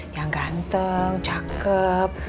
yang ganteng cakep